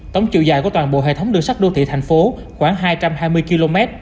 tổng chiều dài của toàn bộ hệ thống đường sắt đô thị thành phố khoảng hai trăm hai mươi km